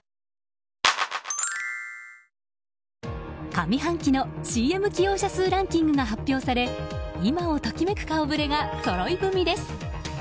上半期のＣＭ起用社数ランキングが発表され今をときめく顔ぶれがそろい踏みです。